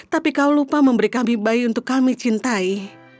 tapi kau lupa memberi kami bayi untuk kami cintai